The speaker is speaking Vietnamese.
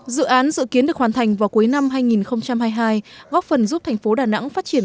dự án dự kiến được hoàn thành vào cuối năm hai nghìn hai mươi hai góp phần giúp thành phố đà nẵng phát triển